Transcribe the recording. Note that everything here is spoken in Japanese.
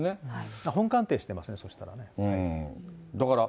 本鑑定してますね、そしたらね。